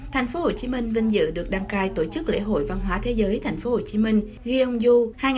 tp hcm vinh dự được đăng cai tổ chức lễ hội văn hóa thế giới tp hcm gyeongju hai nghìn một mươi bảy